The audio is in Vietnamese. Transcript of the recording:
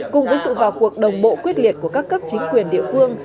cùng với sự vào cuộc đồng bộ quyết liệt của các cấp chính quyền địa phương